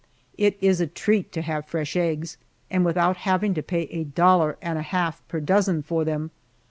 It is a treat to have fresh eggs, and without having to pay a dollar and a half per dozen for them.